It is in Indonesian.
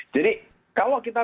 jadi kalau kita